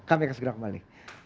kami akan segera kembali